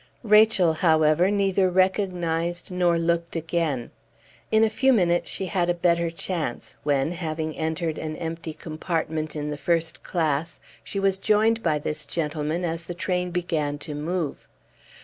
Rachel, however, neither recognized nor looked again. In a few minutes she had a better chance, when, having entered an empty compartment in the first class, she was joined by this gentleman as the train began to move.